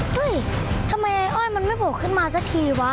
เฮ้ยทำไมอ้อยมันไม่โผล่ขึ้นมาสักทีวะ